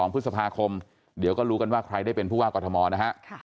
๒พฤษภาคมเดี๋ยวก็รู้กันว่าใครได้เป็นผู้ว่ากรทมนะฮะ